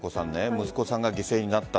息子さんが犠牲になった。